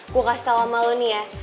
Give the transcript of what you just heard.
gue kasih tau sama lo nih ya